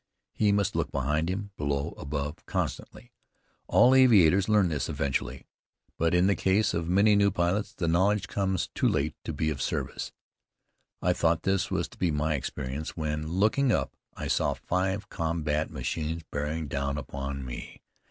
He must look behind him, below, above, constantly. All aviators learn this eventually, but in the case of many new pilots the knowledge comes too late to be of service. I thought this was to be my experience, when, looking up, I saw five combat machines bearing down upon me.